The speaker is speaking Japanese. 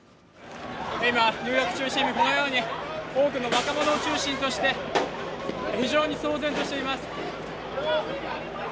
ニューヨーク中心部に多くの若者を中心として非常に騒然としています